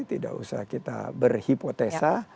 tidak usah kita berhipotesa